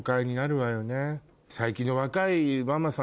最近の。